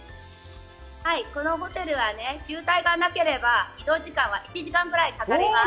このホテルはね、渋滞がなければ、移動時間は１時間ぐらいかかります。